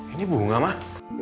ini bunga mah